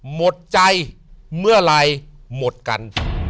หมดใจเมื่อไหร่หมดกัน